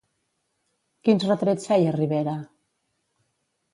Quins retrets feia Rivera?